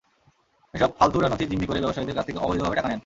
এসব ফালতুরা নথি জিম্মি করে ব্যবসায়ীদের কাছ থেকে অবৈধভাবে টাকা নেন।